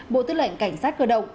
bộ tư lệnh cảnh sát cơ động